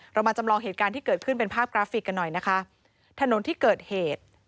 เรามาจำลองเหตุการณ์ที่เกิดขึ้นเป็นภาพกราฟิกกันหน่อยนะคะถนนที่เกิดเหตุ